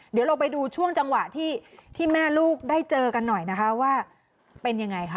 เดี๋ยวเราไปดูช่วงจังหวะที่แม่ลูกได้เจอกันหน่อยนะคะว่าเป็นยังไงคะ